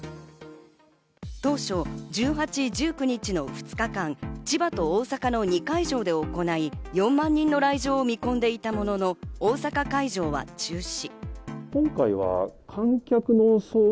当初１８、１９日の２日間、千葉と大阪の２会場で行い、４万人の来場を見込んでいたものの、大阪会場は中止。